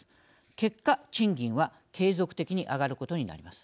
結果、賃金は継続的に上がることになります。